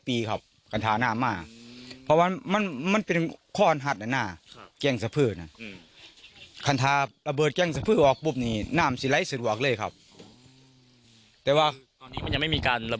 เพราะตอนนี้ยังไม่มีการระเบิดออกไปใช่เป้นเหรอครับ